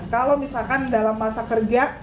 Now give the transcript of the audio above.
kalau misalkan dalam masa kerja